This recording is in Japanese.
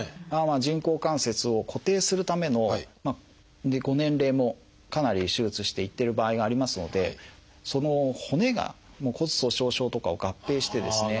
人工関節を固定するためのご年齢もかなり手術していってる場合がありますのでその骨が骨粗しょう症とかを合併してですね